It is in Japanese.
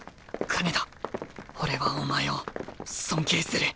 金田俺はお前を尊敬する。